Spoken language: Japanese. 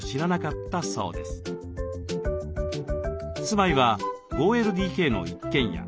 住まいは５ＬＤＫの一軒家。